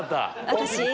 私。